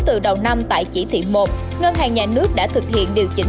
từ đầu năm tại chỉ thị một ngân hàng nhà nước đã thực hiện điều chỉnh